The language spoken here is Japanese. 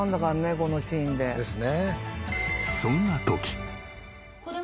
このシーンで。ですね。